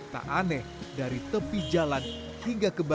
tak aneh dari tepi jalan hingga kebanyakan